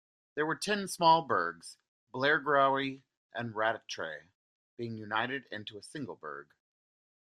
There were ten small burghs: Blairgowrie and Rattray being united into a single burgh.